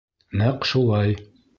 Нәҡ шулай